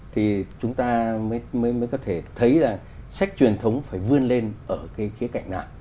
thì chúng ta mới có thể thấy là sách truyền thống phải vươn lên ở cái khía cạnh nào